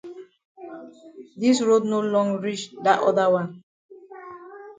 Dis road no long reach dat oda wan.